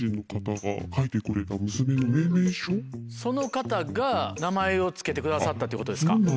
その方が名前を付けてくださったってことですか？